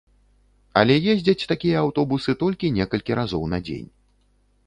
Але ездзяць такія аўтобусы толькі некалькі разоў на дзень.